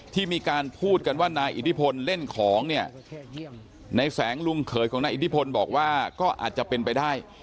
ที่มีการพูดกันว่านายอิทธิพลเล่นของเนี่ยในแสงลุงเขยของนายอิทธิพลบอกว่าก็อาจจะเป็นไปได้